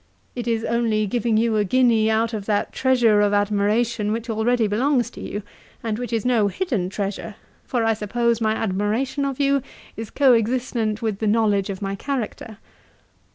It is only giving you a guinea out of that treasure of admiration which already belongs to you, and which is no hidden treasure; for I suppose my admiration of you is co existent with the knowledge of my character.